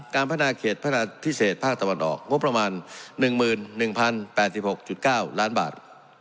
พัฒนาเขตพนาพิเศษภาคตะวันออกงบประมาณ๑๑๐๘๖๙ล้านบาท